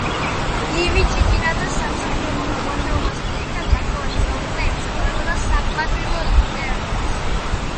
გივი ჭიჭინაძე სამსახიობო მოღვაწეობასთან ერთად ნახევარი საუკუნე ემსახურებოდა საყმაწვილო ლიტერატურას.